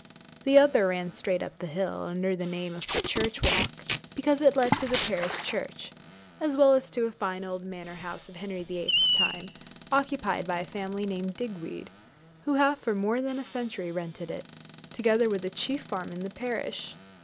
The other ran straight up the hill, under the name of 'The Church Walk,' because it led to the parish church, as well as to a fine old manor house, of Henry VIII.'s time, occupied by a family named Digweed, who have for more than a century rented it, together with the chief farm in the parish.